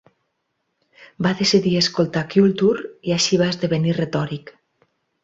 Va decidir escoltar Culture i així va esdevenir retòric.